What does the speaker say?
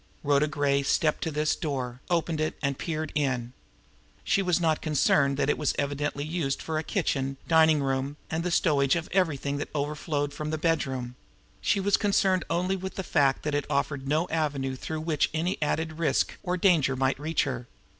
Rhoda Gray stepped to this door, opened it, and peered in. She was not concerned that it was evidently used for kitchen, dining room and the stowage of everything that overflowed from the bedroom; she was concerned only with the fact that it offered no avenue through which any added risk or danger might reach her.